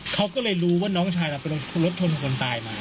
เขาก็เลยรู้ว่าน้องชายเรารถชนคนตายมา